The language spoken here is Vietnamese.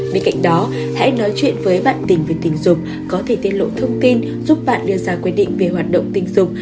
bên cạnh đó hãy nói chuyện với bạn tình về tình dục có thể tiết lộ thông tin giúp bạn đưa ra quy định về hoạt động tình dục